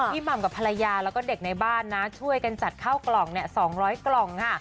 หม่ำกับภรรยาแล้วก็เด็กในบ้านนะช่วยกันจัดข้าวกล่อง๒๐๐กล่องค่ะ